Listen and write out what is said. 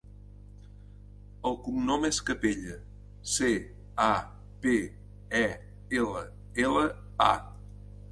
El cognom és Capella: ce, a, pe, e, ela, ela, a.